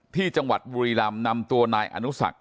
ที่จังหวัดบุรีรำนำตัวนายอนุสัก